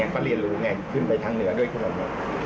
ก็เรียนรู้ไงขึ้นไปทางเหนือด้วยคนละเมือง